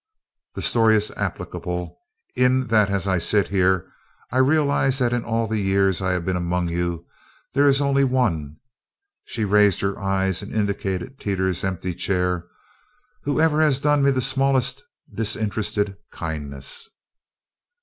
"The story is applicable in that as I sit here I realize that in all the years I have been among you there is only one," she raised her eyes and indicated Teeters's empty chair, "who ever has done me the smallest disinterested kindness.